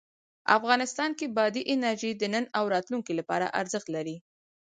افغانستان کې بادي انرژي د نن او راتلونکي لپاره ارزښت لري.